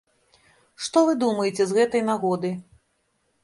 Што вы думаеце з гэтай нагоды?